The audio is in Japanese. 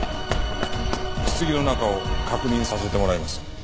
棺の中を確認させてもらいます。